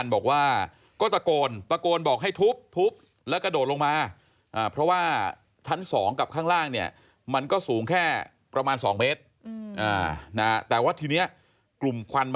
ตะโกนร้องให้ช่วยแต่ออกมาไม่ได้ครับ